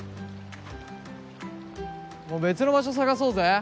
もう別の場所探そうぜ。